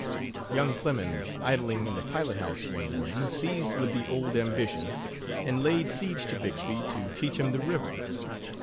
Young Clemens idling in the pilot house was one morning seized with the old ambition, and laid siege to Bixby to teach him the river.